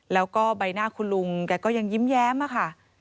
แล้วก็ใบหน้าคุณลุงแกก็ยังยิ้มแย้มค่ะ